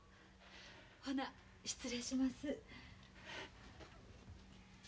ほな失礼します。